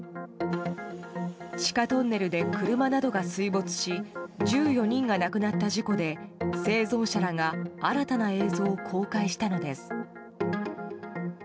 地下トンネルで車などが水没し１４人が亡くなった事故で生存者らが新たな映像を公開したのです。